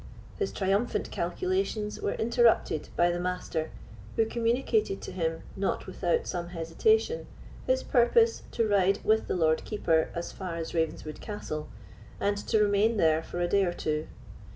His triumphant calculations were interrupted by the Master, who communicated to him, not without some hesitation, his purpose to ride with the Lord Keeper as far as Ravenswood Castle, and to remain there for a day or two.